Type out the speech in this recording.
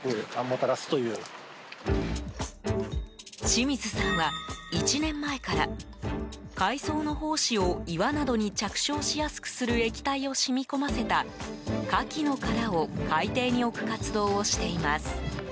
清水さんは１年前から海藻の胞子を岩などに着床しやすくする液体を染み込ませたカキの殻を海底に置く活動をしています。